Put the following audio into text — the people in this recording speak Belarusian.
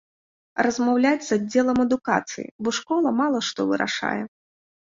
Размаўляць з аддзелам адукацыі, бо школа мала што вырашае.